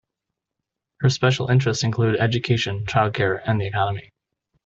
Her special interests include education, childcare and the economy.